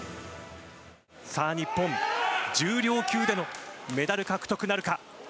さあ日本重量級でのメダル獲得なるか。